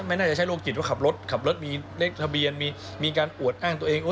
ไม่น่าจะใช้โรคจิตว่าขับรถขับรถมีเลขทะเบียนมีการอวดอ้างตัวเอง